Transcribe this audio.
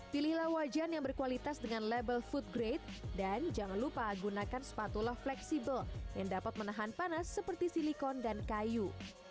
pilihlah wajan yang berkualitas dengan label food grade dan jangan lupa gunakan sepatulah fleksibel yang dapat menahan panas seperti silikon dan kayu